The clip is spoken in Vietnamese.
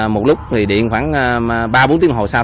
một lúc thì điện khoảng ba bốn tiếng một hồi sau